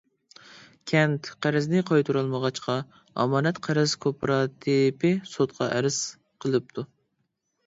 كەنت قەرزنى قايتۇرالمىغاچقا، ئامانەت قەرز كوپىراتىپى سوتقا ئەرز قىلىپتۇ.